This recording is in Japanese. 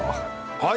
はい。